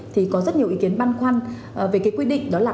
thì có rất nhiều ý kiến băn khoăn về cái quy định đó là